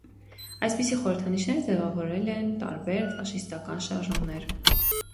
Այսպիսի խորհրդանիշներ ձևավորել են տարբեր ֆաշիստական շարժումներ։